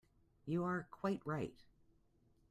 You are quite right.